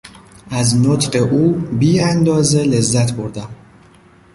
از نطق او بی اندازه لذت بردم.